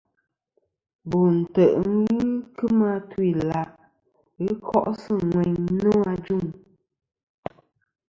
Bo ntè' ghɨ kemɨ atu-ila' ghɨ ko'sɨ ŋweyn nô ajuŋ.